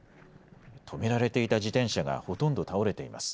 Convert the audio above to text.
止められていた自転車がほとんど倒れています。